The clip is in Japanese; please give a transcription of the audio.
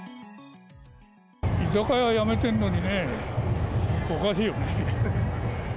居酒屋やめてるのにね、おかしいよね。